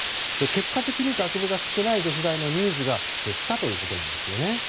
結果的に学部が少ない女子大のニーズが減ったということなんですよね。